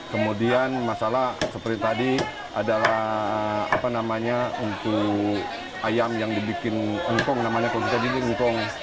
kemudian masalah seperti tadi adalah apa namanya untuk ayam yang dibikin engkong namanya kalau kita di engkong